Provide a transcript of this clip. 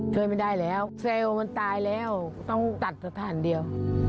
ช่วยไม่ได้แล้วเซลล์มันตายแล้วต้องตัดสถานเดียว